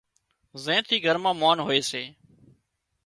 زين ٿي گھر مان مانَ هوئي سي